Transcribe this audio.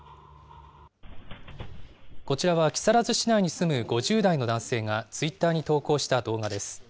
こちらは木更津市内に住む５０代の男性が、ツイッターに投稿した動画です。